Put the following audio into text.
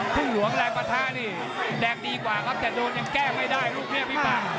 พี่หลวงแหลกประทานี่แดงดีกว่าครับแต่โดนยังแกล้งไม่ได้ลูกเนี้ยพี่ปาก